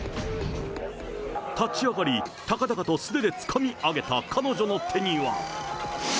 立ち上がり、高々と素手でつかみ上げた彼女の手には。